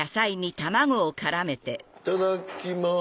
いっただっきます。